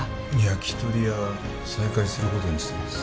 焼き鳥屋再開する事にしてます。